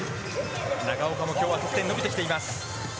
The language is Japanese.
長岡も今日は得点が伸びてきています。